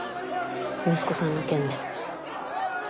息子さんの件で。